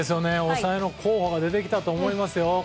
抑えの候補が出てきたと思いますよ。